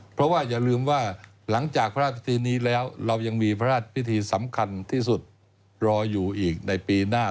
เพราะว่าอย่าลืมว่าหลังจากพระราชพิธีนี้แล้วเรายังมีพระราชพิธีสำคัญที่สุดรออยู่อีกในปีหน้า